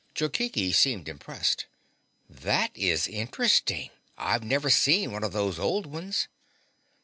Jokichi seemed impressed. "That is interesting. I've never seen one of those old ones."